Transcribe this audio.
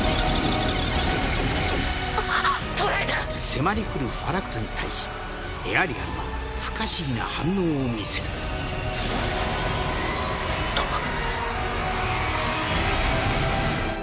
迫り来るファラクトに対しエアリアルは不可思議な反応を見せるあっ。